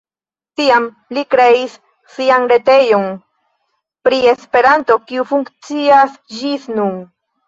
Tiam li kreis sian retejon pri Esperanto, kiu funkcias ĝis nun.